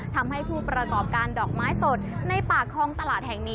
ทำให้ผู้ประกอบการดอกไม้สดในปากคลองตลาดแห่งนี้